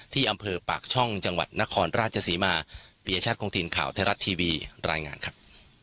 ที่อำเภอปากช่องจังหวัดนครราชศรีมาปียชาติคงถิ่นข่าวไทยรัฐทีวีรายงานครับ